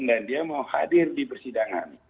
dan dia mau hadir di persidangan